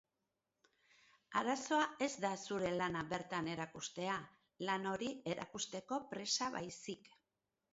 Arazoa ez da zure lana bertan erakustea, lan hori erakusteko presa baizik.